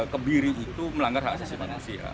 kebiri itu melanggar hak asasi manusia